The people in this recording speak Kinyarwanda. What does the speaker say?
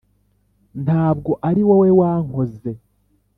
«Nta bwo ari wowe wankoze!»